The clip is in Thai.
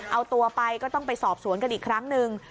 เอาตัวไปก็ต้องไปสอบสวนกันอีกครั้งหนึ่ง